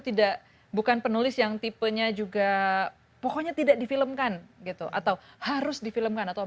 tidak bukan penulis yang tipenya juga pokoknya tidak difilmkan gitu atau harus difilmkan atau